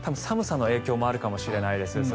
寒さの影響もあるかもしれないです。